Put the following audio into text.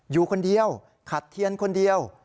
อยู่คนเดียวขัดเทียนคนเดียว